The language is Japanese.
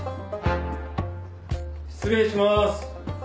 失礼します。